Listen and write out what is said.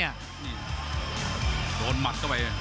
ภูตวรรณสิทธิ์บุญมีน้ำเงิน